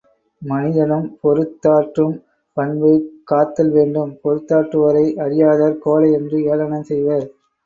மனிதனும் பொறுத்தாற்றும் பண்பு காத்தல் வேண்டும் பொறுத்தாற்றுவோரை, அறியாதார் கோழை என்று ஏளனம் செய்வர்.